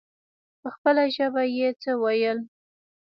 په خپله ژبه يې څه ويل.